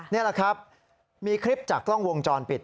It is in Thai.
นี่แหละครับมีคลิปจากกล้องวงจรปิด